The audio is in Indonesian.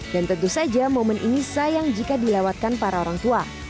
dan tentu saja momen ini sayang jika dilewatkan para orang tua